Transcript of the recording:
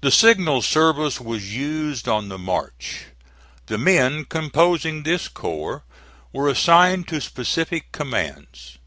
The signal service was used on the march. The men composing this corps were assigned to specified commands.